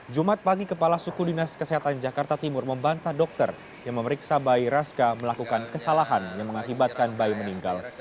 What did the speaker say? jumat pagi kepala suku dinas kesehatan jakarta timur membantah dokter yang memeriksa bayi raska melakukan kesalahan yang mengakibatkan bayi meninggal